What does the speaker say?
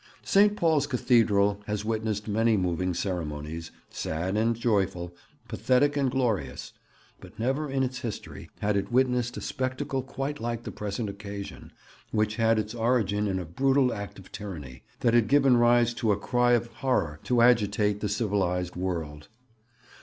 St. Paul's Cathedral has witnessed many moving ceremonies, sad and joyful, pathetic and glorious, but never in its history had it witnessed a spectacle quite like the present occasion, which had its origin in a brutal act of tyranny that had given rise to a cry of horror to agitate the civilized world.